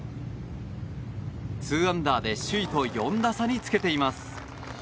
２アンダーで首位と４打差につけています。